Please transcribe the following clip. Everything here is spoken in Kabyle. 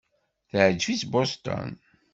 Teɛjeb-itt Boston.